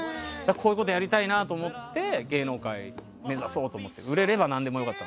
こういうことやりたいなと思って芸能界を目指そうと。